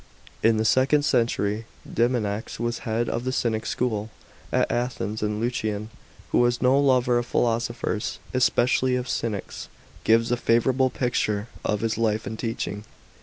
* In the second century DEMONAX was head of the Cynic school at Athens, and Lucian, who was no lover of philosophers, especially of Cynics, gives a favourable picture of his life and teaching.